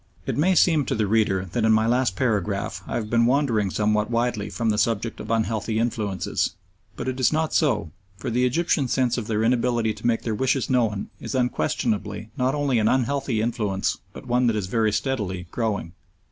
It may seem to the reader that in my last paragraph I have been wandering somewhat widely from the subject of unhealthy influences, but it is not so, for the Egyptians' sense of their inability to make their wishes known is unquestionably not only an unhealthy influence but one that is very steadily growing.